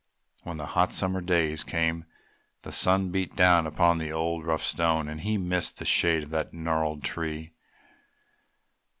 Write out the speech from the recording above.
When the hot summer days came the sun beat down upon the old, rough Stone and he missed the shade of the gnarled tree.